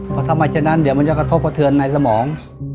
เพราะทำไมฉะนั้นเดี๋ยวมันจะกระทบกระเทือนในสมอง